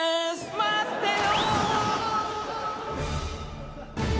待ってよ！